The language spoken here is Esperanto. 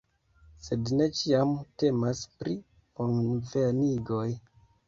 Sed ne ĉiam temas pri bonvenigoj.